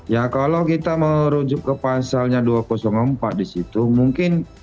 ya kalau kita merujuk ke pasalnya dua ratus empat di situ mungkin